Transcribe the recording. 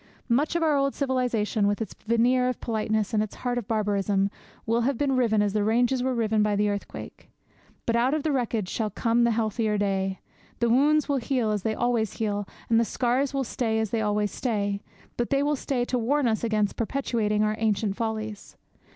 Much of our old civilization, with its veneer of politeness and its heart of barbarism, will have been riven as the ranges were riven by the earthquake. But out of the wreckage shall come the healthier day. The wounds will heal as they always heal, and the scars will stay as they always stay; but they will stay to warn us against perpetuating our ancient follies.